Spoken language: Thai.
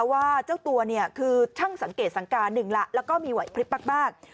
ว่าเจ้าตัวเนี่ยคือช่างสังเกตสังการหนึ่งละแล้วก็มีไหวพลิบมาก